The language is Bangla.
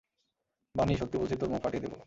বানি, সত্যি বলছি তোর মুখ ফাঁটিয়ে দিবো!